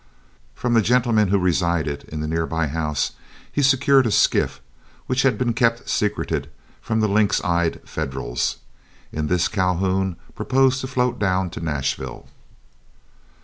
From the gentleman who resided in the nearby house he secured a skiff which had been kept secreted from the lynx eyed Federals. In this Calhoun proposed to float down to Nashville.